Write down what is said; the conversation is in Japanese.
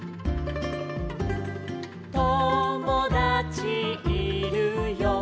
「ともだちいるよ」